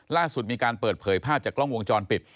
ล่าสุดมีการเปิดเผยภาพจากกล้องวงจรปิด